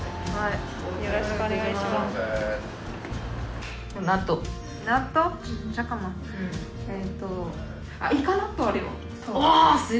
よろしくお願いします。